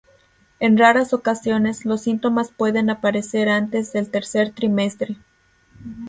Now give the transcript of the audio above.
En raras ocasiones, los síntomas pueden aparecer antes del tercer trimestre.